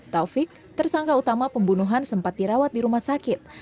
taufik tersangka utama pembunuhan sempat dirawat di rumah sakit